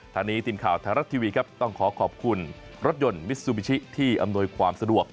ทางนี้ทีมข่าวไทยรัฐทีวีครับต้องขอขอบคุณรถยนต์มิซูบิชิที่อำนวยความสะดวก